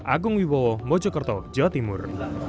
agung wibowo mojokerto jawa timur